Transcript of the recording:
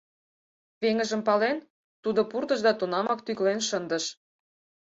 Веҥыжым пален, тудо пуртыш да тунамак тӱкылен шындыш.